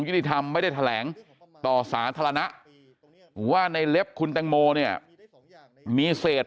ธรรมไม่ได้แถลงต่อสาธารณะว่าในเล็บคุณแตงโมเนี่ยมีเศษ